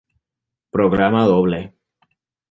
Programa doble.